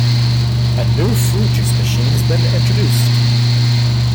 A new fruit juice machine has been introduced.